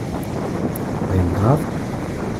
Rien de grave ?